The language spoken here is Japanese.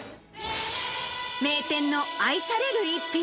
名店の愛される逸品。